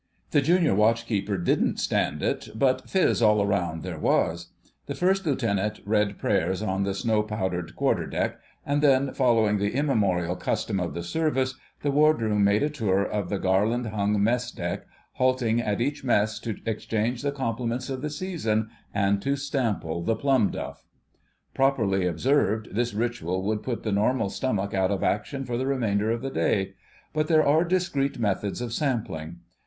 The Junior Watch keeper didn't stand it, but fizz all round there was. The First Lieutenant read prayers on the snow powdered quarterdeck, and then, following the immemorial custom of the Service, the Wardroom made a tour of the garland hung mess deck, halting at each mess to exchange the compliments of the season and to sample the plum duff. Properly observed, this ritual would put the normal stomach out of action for the remainder of the day. But there are discreet methods of sampling.